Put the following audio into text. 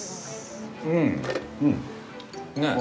うん！ねぇ？